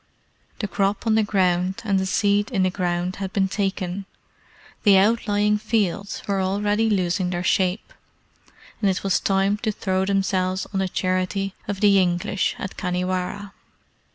The crop on the ground and the seed in the ground had been taken. The outlying fields were already losing their shape, and it was time to throw themselves on the charity of the English at Khanhiwara.